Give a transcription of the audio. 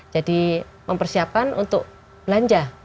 jadi mempersiapkan untuk belanja